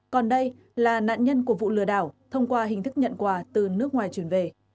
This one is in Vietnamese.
còn đây là nạn nhân của vụ lừa đảo thông qua hình thức nhận quà từ nước ngoài chuyển về